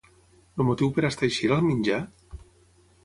El motiu per estar així era el menjar?